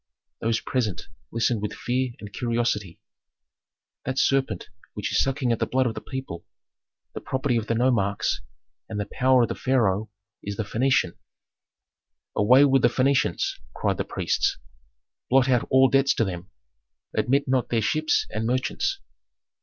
Those present listened with fear and curiosity. "That serpent which is sucking at the blood of the people, the property of the nomarchs, and the power of the pharaoh is the Phœnician!" "Away with the Phœnicians!" cried the priests. "Blot out all debts to them. Admit not their ships and merchants."